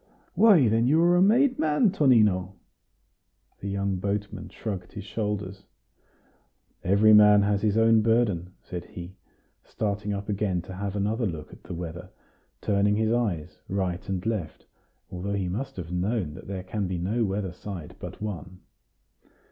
"Why, then you are a made man, Tonino!" The young boatman shrugged his shoulders. "Every man has his own burden," said he, starting up again to have another look at the weather, turning his eyes right and left, although he must have known that there can be no weather side but one.